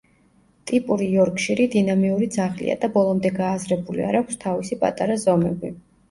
ტიპური იორკშირი დინამიური ძაღლია და ბოლომდე გააზრებული არ აქვს თავისი პატარა ზომები.